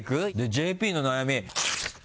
ＪＰの悩み。